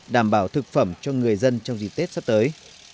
đảm bảo thực phẩm cho người dân trong dịp tết sắp tới